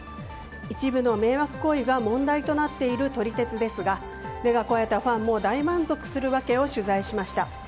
一部の迷惑行為が問題となっている撮り鉄ですが目が肥えたファンも大満足するわけを取材しました。